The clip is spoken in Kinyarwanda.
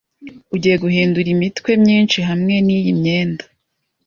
Ugiye guhindura imitwe myinshi hamwe niyi myenda.